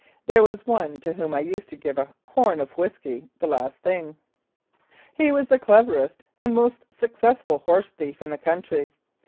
There was one to whom I used to give a "horn " of whisky the last thing. He was the cleverest and most successful horse thief in the country.